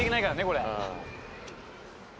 これ。